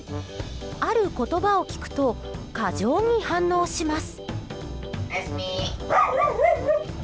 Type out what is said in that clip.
ある言葉を聞くと過剰に反応します。